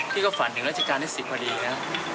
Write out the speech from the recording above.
พี่ก็ต้องฝันถึงราชการได้๑๐ถึงดีนะ